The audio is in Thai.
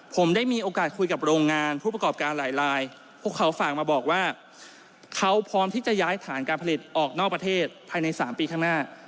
ผมได้มีโอกาสคุยกับโรงงานผู้ประกอบการหลายลายพวกเขาฝากมาบอกว่าเขาพร้อมที่จะย้ายฐานการผลิตออกนอกประเทศภายใน๓ปีข้างหน้า